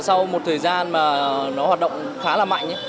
sau một thời gian mà nó hoạt động khá là mạnh